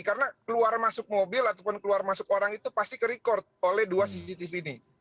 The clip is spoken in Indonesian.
karena keluar masuk mobil ataupun keluar masuk orang itu pasti kerekor oleh dua cctv ini